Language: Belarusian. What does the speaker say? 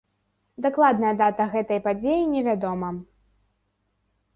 Дакладная дата гэтай падзеі не вядома.